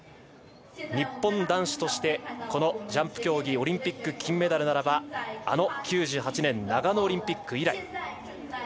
日本男子としてジャンプ競技オリンピック金メダルならばあの９８年長野オリンピック以来。